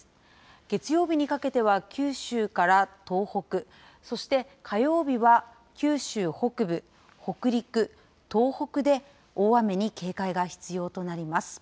月曜日にかけては、九州から東北、そして、火曜日は九州北部、北陸、東北で大雨に警戒が必要となります。